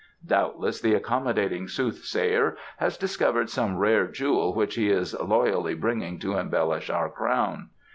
Doubtless the accommodating soothsayer has discovered some rare jewel which he is loyally bringing to embellish our crown."